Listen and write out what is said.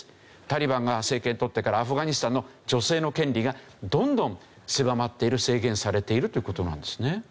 タリバンが政権とってからアフガニスタンの女性の権利がどんどん狭まっている制限されているという事なんですね。